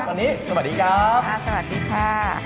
วันนี้สวัสดีครับสวัสดีค่ะ